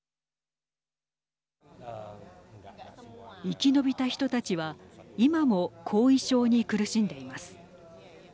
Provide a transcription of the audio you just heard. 生き延びた人たちは今も後遺症に苦しんでいます。